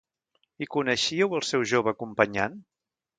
I coneixíeu el seu jove acompanyant?